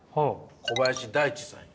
小林大地さんや。